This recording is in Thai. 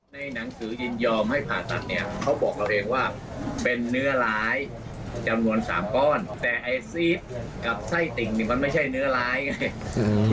แล้วดูตามภาพที่ผมลงเป็นการผ่าตัดใหญ่นะครับ